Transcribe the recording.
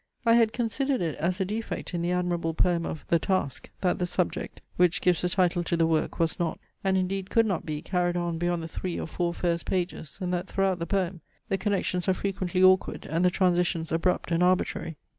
I had considered it as a defect in the admirable poem of THE TASK, that the subject, which gives the title to the work, was not, and indeed could not be, carried on beyond the three or four first pages, and that, throughout the poem, the connections are frequently awkward, and the transitions abrupt and arbitrary.